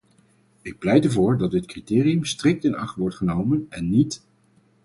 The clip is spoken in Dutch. Ik pleit ervoor dat dit criterium strikt in acht wordt genomen en niet...